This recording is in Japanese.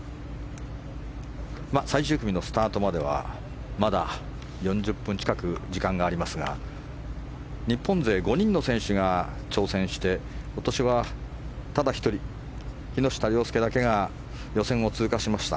最終組のスタートまではまだ４０分近く時間がありますが日本勢５人の選手が挑戦して今年は、ただ１人木下稜介だけが予選を通過しました。